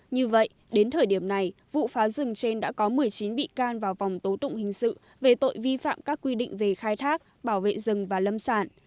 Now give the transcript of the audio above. như vậy đến thời điểm này vụ phá rừng trên đã có một mươi chín bị can vào vòng tố tụng hình sự về tội vi phạm các quy định về khai thác bảo vệ rừng và lâm sản